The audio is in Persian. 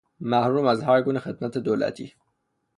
محروم از هر گونه خدمت دولتی